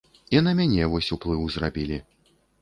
І на мяне вось уплыў зрабілі.